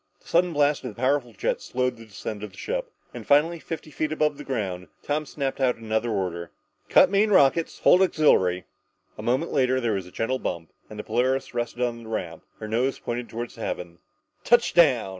The sudden blast of the powerful jets slowed the descent of the ship, and finally, fifty feet above the ground, Tom snapped out another order. "Cut main rockets! Hold auxiliary!" A moment later there was a gentle bump and the Polaris rested on the ramp, her nose pointed to the heavens. "_Touchdown!